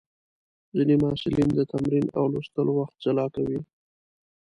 ځینې محصلین د تمرین او لوستلو وخت جلا کوي.